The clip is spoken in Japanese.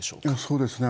そうですね。